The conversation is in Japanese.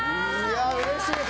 うれしいです。